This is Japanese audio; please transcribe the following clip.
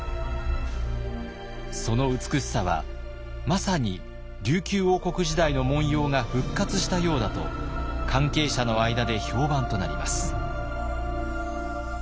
その美しさはまさに琉球王国時代の紋様が復活したようだと関係者の間で評判となります。